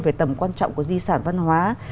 về tầm quan trọng của di sản văn hóa